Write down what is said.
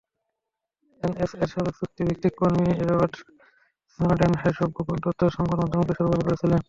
এনএসএর সাবেক চুক্তিভিত্তিক কর্মী এডওয়ার্ড স্নোডেন এসব গোপন তথ্য সংবাদমাধ্যমকে সরবরাহ করেছিলেন।